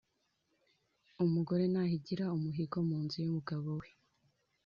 Umugore nahigira umuhigo mu nzu y umugabo